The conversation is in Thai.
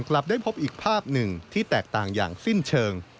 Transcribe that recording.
กลับได้พบอีกภาพหนึ่งที่แตกต่างอย่างสิ้นเชิง